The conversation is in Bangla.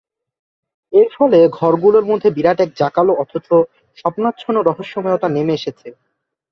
এর ফলে ঘরগুলোর মধ্যে বিরাট এক জাঁকালো অথচ স্বপ্নাচ্ছন্ন রহস্যময়তা নেমে এসেছে।